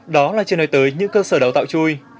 đó là trên đời tới những cơ sở đào tạo chui